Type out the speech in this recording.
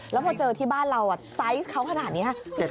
แล้วพอเจอที่บ้านเราไซส์เขาขนาดนี้